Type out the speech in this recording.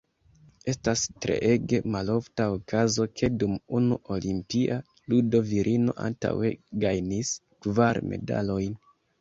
Estas treege malofta okazo, ke dum unu olimpia ludo virino antaŭe gajnis kvar medalojn.